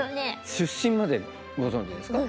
出身までご存じですか？